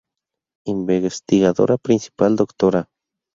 Investigadora principal Dra.